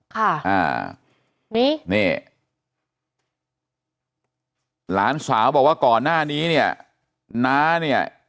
ค่ะอ่านี่นี่หลานสาวบอกว่าก่อนหน้านี้เนี่ยน้าเนี่ย